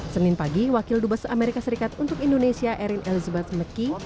senin pagi wakil dubes amerika serikat untuk indonesia erin elizabeth mckey